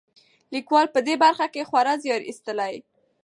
لیکوال په دې برخه کې خورا زیار ایستلی.